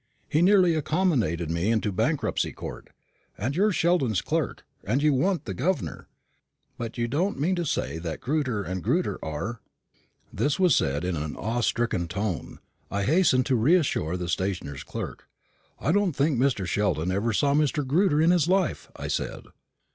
He nearly accommodated me into the Bankruptcy Court. And so you're Sheldon's clerk, and you want the governor. But you don't mean to say that Grewter and Grewter are " This was said in an awe stricken undertone. I hastened to reassure the stationer's clerk. "I don't think Mr. Sheldon ever saw Mr. Grewter in his life," I said.